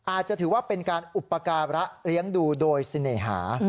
อาจจะถือว่าเป็นการอุปการะเลี้ยงดูโดยเสน่หา